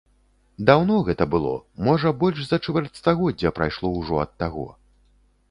Даўно гэта было, можа больш за чвэрць стагоддзя прайшло ўжо ад таго.